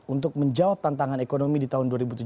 untuk menjawab tantangan ekonomi di tahun dua ribu tujuh belas